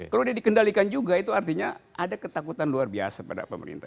kalau sudah dikendalikan juga itu artinya ada ketakutan luar biasa pada pemerintah